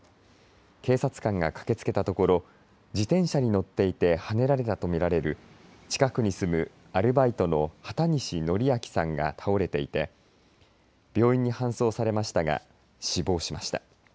警察官が駆けつけたところ自転車に乗っていてはねられたと見られる近くに住むアルバイトの畑西徳明さんが倒れていて病院に搬送されましたが死亡しました。